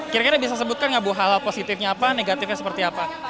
kira kira bisa sebutkan nggak bu hal hal positifnya apa negatifnya seperti apa